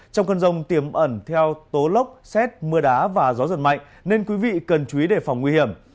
trong cơn rông tiềm ẩn theo tố lốc xét mưa đá và gió giật mạnh nên quý vị cần chú ý đề phòng nguy hiểm